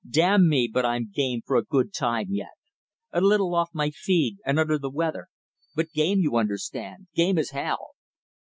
Damn me, but I'm game for a good time yet! A little off my feed, and under the weather; but game, you understand, game as hell!"